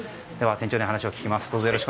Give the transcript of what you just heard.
店長に話を聞きます。